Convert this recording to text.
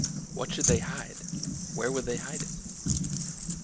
What should they hide? Where would they hide it?